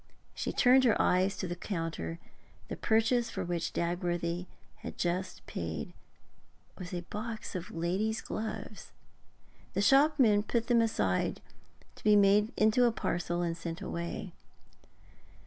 She turned her eyes to the counter; the purchase for which Dagworthy had just paid was a box of ladies' gloves. The shopman put them aside, to be made into a parcel and sent away.